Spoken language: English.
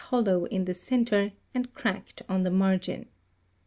109 hollow in the centre, and cracked on the margin.